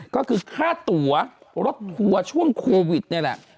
ก็คือค่าตัวรถทัวร์ช่วงโควิดนี่แหละ